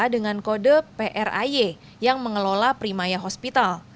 dengan kode pray yang mengelola primaya hospital